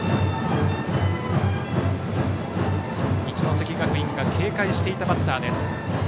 一関学院が警戒していたバッターです。